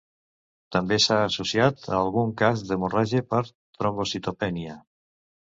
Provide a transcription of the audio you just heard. També s'ha associat a algun cas d'hemorràgia per trombocitopènia.